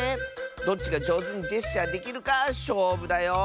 どっちがじょうずにジェスチャーできるかしょうぶだよ。